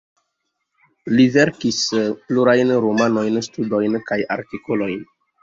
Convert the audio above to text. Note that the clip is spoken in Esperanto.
Li verkis plurajn romanojn, studojn kaj artikolojn.